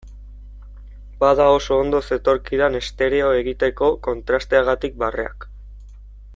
Bada oso ondo zetorkidan estereo egiteko, kontrasteagatik barreak.